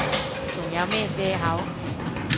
仲有咩藉口？